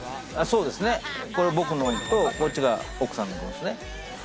これ僕のと、こっちが奥さんのですね。